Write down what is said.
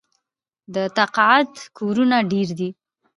د تقاعد کورونه ډیر دي.